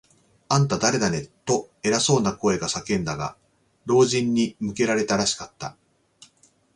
「あんた、だれだね？」と、偉そうな声が叫んだが、老人に向けられたらしかった。